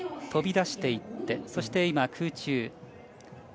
飛び出していって、そして空中。